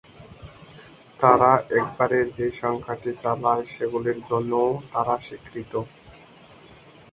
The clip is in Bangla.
তারা একবারে যে সংখ্যাটি চালায় সেগুলির জন্যও তারা স্বীকৃত।